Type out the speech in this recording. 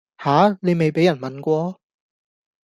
吓!你未畀人問過?